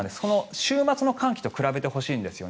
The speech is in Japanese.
週末の寒気と比べてほしいんですよね。